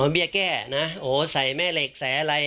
เบี้ยแก้นะโหใส่แม่เหล็กใส่อะไร